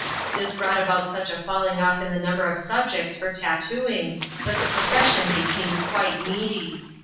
This brought luch a falling off in the number of subjects for tattooing, e profession became quite needy.